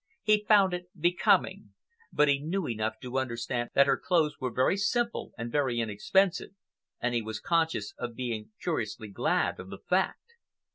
He found it becoming, but he knew enough to understand that her clothes were very simple and very inexpensive, and he was conscious of being curiously glad of the fact.